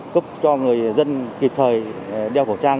cấp cho người dân kịp thời đeo khẩu trang